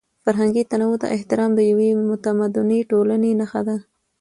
فرهنګي تنوع ته احترام د یوې متمدنې ټولنې نښه ده.